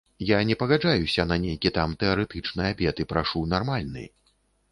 Я не пагаджаюся на нейкі там тэарэтычны абед і прашу нармальны.